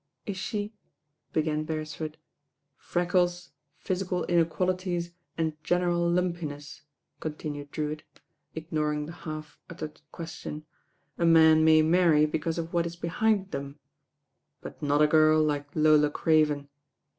"Is she ?" began Beresford. "Freckles, physical mequalities and general lumpiness," continued Drewitt, ignoring the half LORD DREWTTT ON MARRUOE 147 uttered question, "a man may many because of what u behind them; but not a girl like Lola Craven.